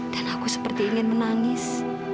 aku seperti ingin menangis